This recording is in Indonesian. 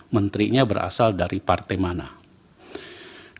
menterinya berasal dari partai mana